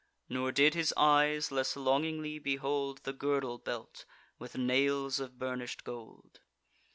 Nor did his eyes less longingly behold The girdle belt, with nails of burnish'd gold.